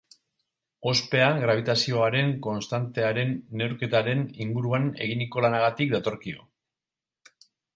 Ospea grabitazioaren konstantearen neurketaren inguruan eginiko lanagatik datorkio.